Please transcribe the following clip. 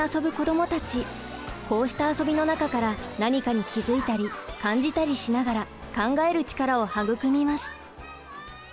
こうした遊びの中から何かに気付いたり感じたりしながら考える力を育みます。